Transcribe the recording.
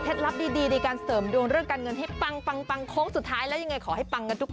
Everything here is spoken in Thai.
โปรดติดตามตอนต่อไป